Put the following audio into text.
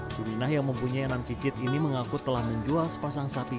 suminah yang mempunyai enam cicit ini mengaku telah menjual sepasang sapi